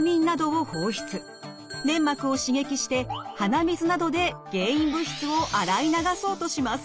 粘膜を刺激して鼻水などで原因物質を洗い流そうとします。